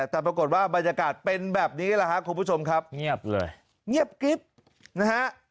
แต่ปรากฏว่าบรรยากาศเป็นแบบนี้แหละครับคุณผู้ชมครับเงียบเลยเงียบกริ๊บนะฮะ